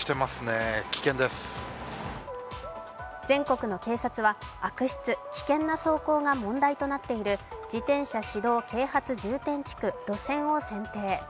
全国の警察は悪質・危険な走行が問題となっている自転車指導啓発重点地区・路線を選定。